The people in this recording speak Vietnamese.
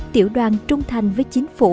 tiểu đoàn trung thành với chính phủ